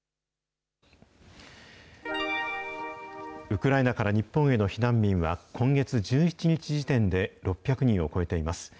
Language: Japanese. ウクライナから日本への避難民は、今月１７日時点で６００人を超えています。